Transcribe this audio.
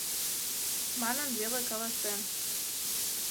Манын веле каласен.